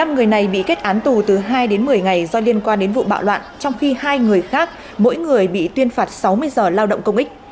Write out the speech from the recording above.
một mươi người này bị kết án tù từ hai đến một mươi ngày do liên quan đến vụ bạo loạn trong khi hai người khác mỗi người bị tuyên phạt sáu mươi giờ lao động công ích